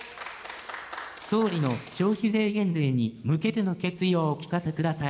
総理の消費税減税に向けての決意をお聞かせください。